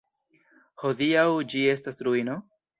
Hodiaŭ ĝi estas ruino.